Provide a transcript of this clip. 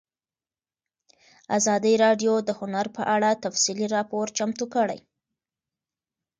ازادي راډیو د هنر په اړه تفصیلي راپور چمتو کړی.